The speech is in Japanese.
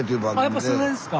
あやっぱそれですか。